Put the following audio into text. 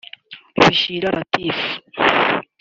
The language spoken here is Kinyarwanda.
Bishira Ratif